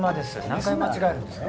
何回間違えるんですか？